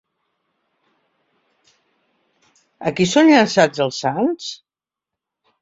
A qui són llançats els sants?